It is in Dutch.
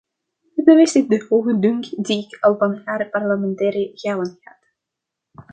Het bevestigt de hoge dunk die ik al van haar parlementaire gaven had.